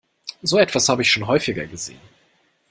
So etwas habe ich schon häufiger gesehen.